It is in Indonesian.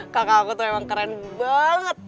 kakak aku tuh emang keren banget